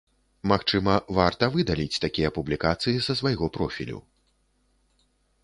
Магчыма, варта выдаліць такія публікацыі са свайго профілю.